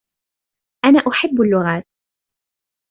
أنا احب اللغات!